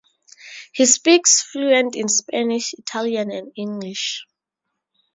He speaks fluent Spanish, Italian, and English.